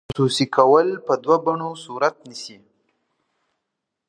خصوصي کول په دوه بڼو صورت نیسي.